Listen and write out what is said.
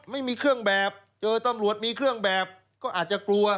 ไม่มีเครื่องแบบเจอตำรวจมีเครื่องแบบก็อาจจะกลัว